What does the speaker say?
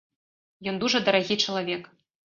Ён дужа дарагі чалавек.